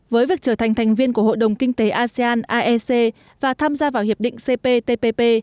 với việc trở thành thành viên của hội đồng kinh tế asean aec và tham gia vào hiệp định cptpp